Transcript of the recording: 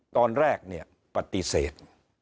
ตอนแรกเนี่ยปฏิเสธ